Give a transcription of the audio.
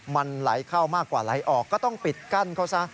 มันไหลเข้ามากกว่าไหลออกก็ต้องปิดกั้นเขาซะ